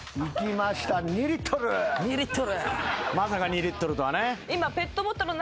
まさか２リットルとはね。